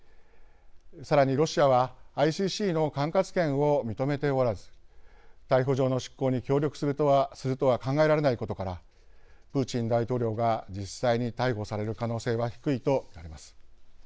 さらに、ロシアはＩＣＣの管轄権を認めておらず逮捕状の執行に協力するとは考えられないことからプーチン大統領が実際に逮捕される可能性は低いと見られます。